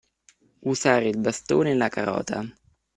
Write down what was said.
Usare il bastone e la carota.